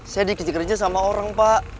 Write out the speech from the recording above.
saya dikecil kerja sama orang pak